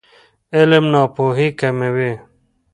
علم ناپوهي کموي.